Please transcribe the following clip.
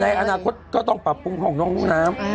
แต่ในอนาคตก็ต้องปรับภูมิของน้องผู้น้ำ